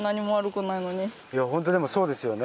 いやホントでもそうですよね。